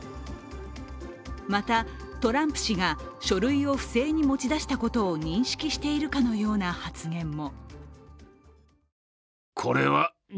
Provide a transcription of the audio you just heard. またトランプ氏が書類を不正に持ち出したことを認識しているかのような発言も。